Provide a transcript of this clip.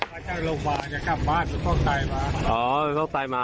มาจากโรงพยาบาลเนี่ยกลับบ้านฟอกไตมาอ๋อฟอกไตมา